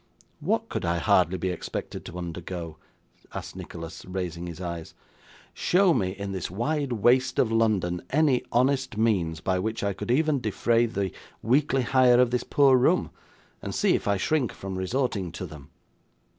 'What could I hardly be expected to undergo?' asked Nicholas, raising his eyes. 'Show me, in this wide waste of London, any honest means by which I could even defray the weekly hire of this poor room, and see if I shrink from resorting to them!